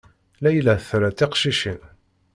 Layla tra tiqcicin.